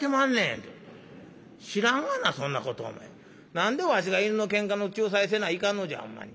何でわしが犬のけんかの仲裁せないかんのじゃほんまに。